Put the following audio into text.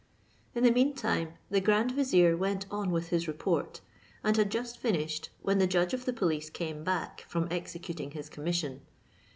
In the mean time the grand vizier went on with his report, and had just finished, when the judge of the police came back from executing his commission.